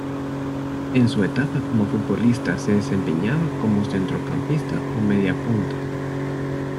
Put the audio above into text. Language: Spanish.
En su etapa como futbolista, se desempeñaba como centrocampista o mediapunta.